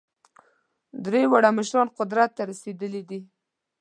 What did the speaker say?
درې واړه مشران قدرت ته رسېدلي دي.